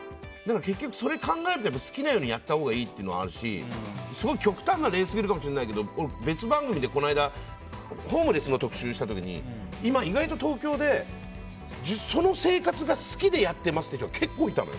それを考えると好きなようにやったほうがいいっていうのはあるし極端な例すぎるかもしれないけど別番組でホームレスの特集をした時に今、意外と東京でその生活が好きでやっていますという人が結構いたの。